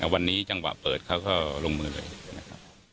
วันนี้จังหวะเปิดเขาก็ลงมือเลยนะครับ